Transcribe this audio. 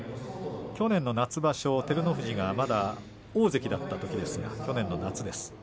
去年の夏場所、照ノ富士がまだ大関だったときですが去年の夏です